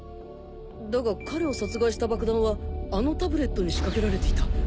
だが彼を殺害した爆弾はあのタブレットに仕掛けられていた